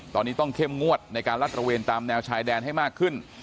ตอนนี้ต้องเข้มงวดในการลัดระเวนตามแนวชายแดนให้มากขึ้น